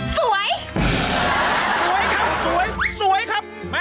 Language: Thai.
สวยสวยครับสวยสวยครับ